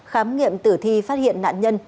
khám nghiệm tử thi phát hiện nạn nhân